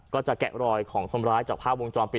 แกะรอยของคนร้ายจากภาพวงจรปิด